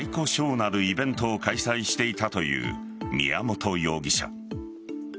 なるイベントを開催していたという宮本容疑者。